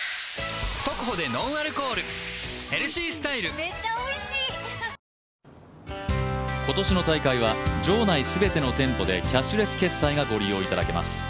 ２０２１三井住友今年の大会は場内全ての店舗でキャッシュレス決済がご利用いただけます。